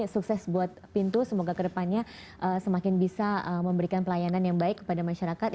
sukses buat pintu semoga kedepannya semakin bisa memberikan pelayanan yang baik kepada masyarakat